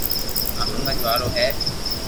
آ ھمج وارو ھي